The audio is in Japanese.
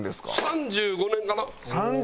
３５年か。